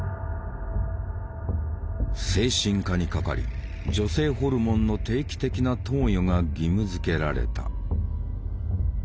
精神科にかかり女性ホルモンの定期的な投与が義務づけられた。